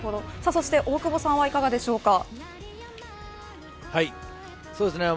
そして大久保さんはいかがでしょうか。